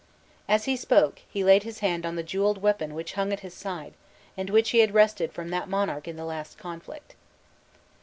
As he spoke, he laid his hand on the jeweled weapon which hung at his side, and which he had wrested from that monarch in the last conflict.